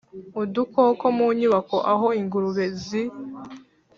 udukoko mu nyubako aho ingurube zi